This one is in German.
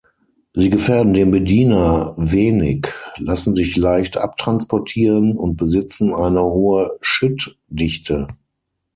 Sie gefährden den Bediener wenig, lassen sich leicht abtransportieren und besitzen eine hohe Schüttdichte.